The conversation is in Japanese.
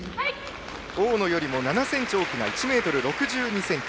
大野よりも７ｃｍ大きな１ｍ６２ｃｍ。